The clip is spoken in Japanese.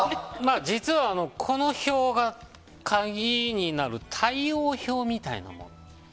実は、この表が鍵になる対応表みたいなもの。